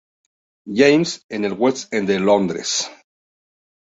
James, en el West End de Londres.